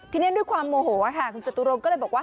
ทีนี้ด้วยความโมโหค่ะคุณจตุรงก็เลยบอกว่า